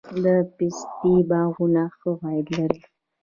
د پستې باغونه ښه عاید لري؟